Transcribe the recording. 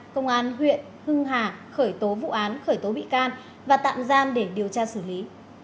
công an huyện hưng hà khởi tố vụ án khởi tố bị can và tạm giam để điều tra xử lý